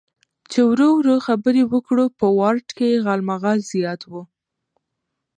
چې ورو ورو خبرې وکړو، په وارډ کې یې غالمغال زیات و.